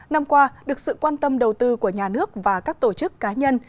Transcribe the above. năm qua được sự quan tâm đầu tư của nhà nước và các tổ chức cá nhân